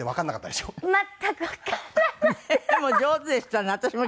でも上手でしたね。